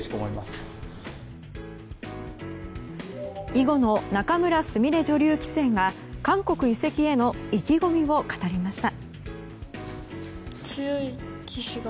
囲碁の仲邑菫女流棋聖が韓国移籍への意気込みを語りました。